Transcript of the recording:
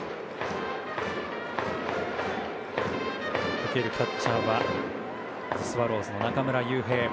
受けるキャッチャーは同じスワローズの中村悠平。